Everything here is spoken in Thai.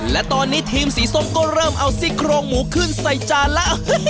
และตอนนี้ทีมสีส้มก็เริ่มเอาซี่โครงหมูขึ้นใส่จานแล้ว